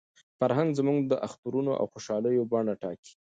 فرهنګ زموږ د اخترونو او خوشالیو بڼه ټاکي.